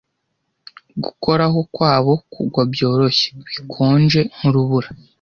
Gukoraho kwabo kugwa byoroshye, bikonje, nkurubura